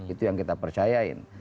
itu yang kita percayain